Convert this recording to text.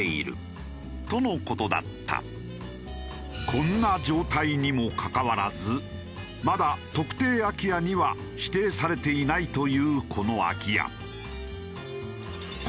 こんな状態にもかかわらずまだ特定空き家には指定されていないというこの空き家。